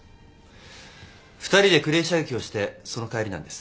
二人でクレー射撃をしてその帰りなんです。